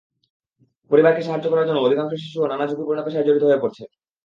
পরিবারকে সাহায্য করার জন্য অধিকাংশ শিশুও নানা ঝুঁকিপূর্ণ পেশায় জড়িত হয়ে পড়ছে।